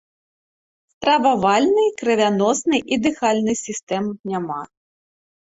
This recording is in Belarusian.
Стрававальнай, крывяноснай і дыхальнай сістэм няма.